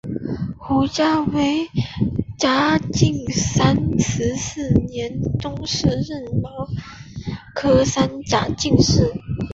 胡价为嘉靖三十四年中式壬戌科三甲进士。